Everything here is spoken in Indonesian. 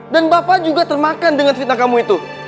dan bapak juga termakan dengan fitnah kamu itu